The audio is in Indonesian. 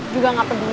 juga gak peduli